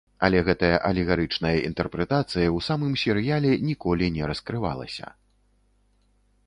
Але гэтая алегарычная інтэрпрэтацыя ў самым серыяле ніколі не раскрывалася.